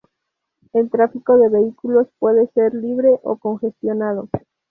El tráfico de vehículos puede ser libre o congestionado.